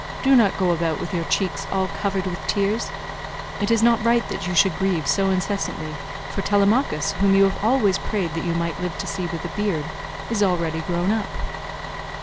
Do not go about with your cheeks all covered with tears; it is not right that you should grieve so incessantly; for Telemachus, whom you always prayed that you might live to see with a beard, is already grown up."